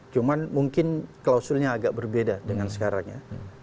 cuman mungkin klausulnya agak berbeda dengan sekarang ya